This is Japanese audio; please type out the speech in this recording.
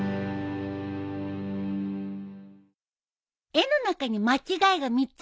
絵の中に間違いが３つあるよ。